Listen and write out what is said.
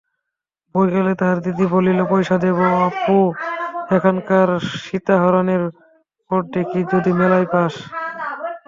বৈকালে তাহার দিদি বলিল, পয়সা দেবো অপু, একখানা সীতাহরণের পট দেখিস যদি মেলায় পাস?